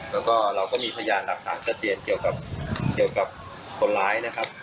แล้วก็เราก็มีพยานหลักฐานชัดเจนเกี่ยวกับเกี่ยวกับคนร้ายนะครับ